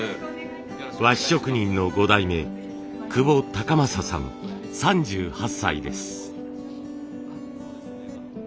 和紙職人の５代目久保孝正さん３８歳です。